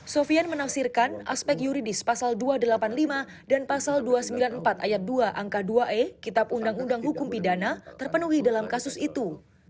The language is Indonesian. sofian menafsirkan aspek yuridis pasal dua ratus delapan puluh lima dan pasal dua ratus sembilan puluh empat ayat dua angka dua e kitab undang undang hukum pidana terpenuhi dalam kasus itu